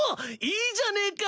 いいじゃねえか！